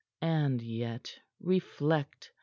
"And yet reflect.